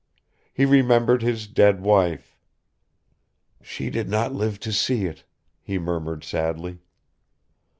He remembered his dead wife. "She did not live to see it," he murmured sadly.